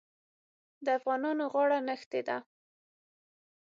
د افغانانو غاړه نښتې ده.